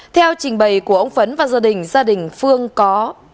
theo trình bày của ông phấn và gia đình gia đình phương có